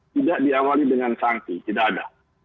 tidak diawali dengan sanksi tidak ada